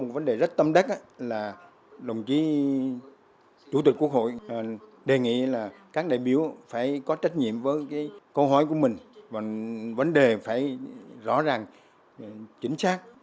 vấn đề phải rõ ràng chính xác